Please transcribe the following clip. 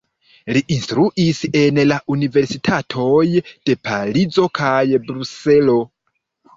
Li instruis en la universitatoj de Parizo kaj Bruselo.